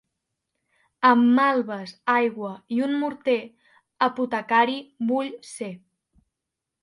Amb malves, aigua i un morter, apotecari vull ser.